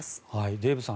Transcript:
デーブさん